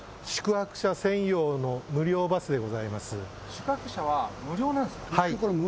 宿泊者は無料なんですか？